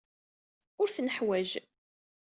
Ur t-neḥwaj.